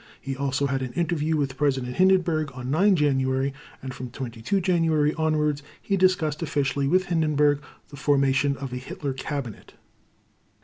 He also had an interview with President Hindenburg on 9 January, and from 22 January onwards he discussed officially with Hindenburg the formation of a Hitler Cabinet.